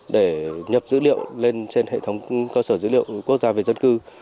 để nhập dữ liệu lên trên hệ thống cơ sở dữ liệu quốc gia về dân cư